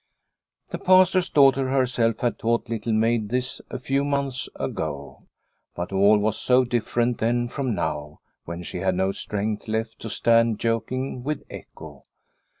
The Pastor's daughter herself had taught Little Maid this a few months ago, but all was so different then from now, when she had no strength left to stand joking with echo.